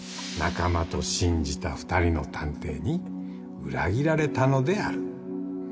「仲間と信じた２人の探偵に裏切られたのである」